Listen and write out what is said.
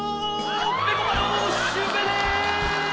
ぺこぱのシュウペイです！